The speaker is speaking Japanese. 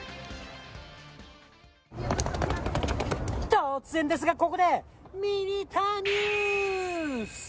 突然ですがここで、ミニタニュース。